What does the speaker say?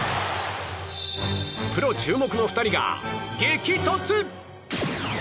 プロ注目の２人が激突！